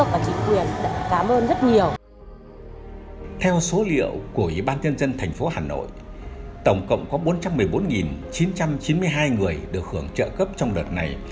ban nhân dân thành phố hà nội tổng cộng có bốn trăm một mươi bốn chín trăm chín mươi hai người được hưởng trợ cấp trong đợt này